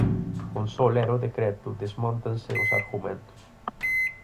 Con só ler o decreto desmóntanse os argumentos.